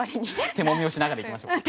手もみをしながら行きましょうか。